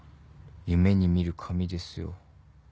夢に見る髪ですよ。